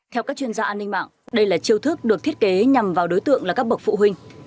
theo các chuyên gia an ninh mạng đây là chiêu thức được thiết kế nhằm vào đối tượng là các bậc phụ huynh